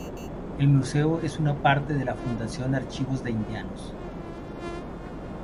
El museo es una parte de la Fundación Archivo de Indianos.